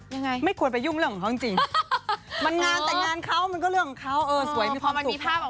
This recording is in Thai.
ยังไงไม่ควรไปยุ่งเรื่องของเขาจริง